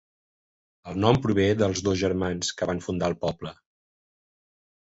El nom prové dels dos germans que van fundar el poble.